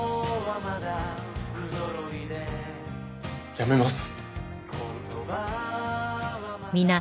やめます。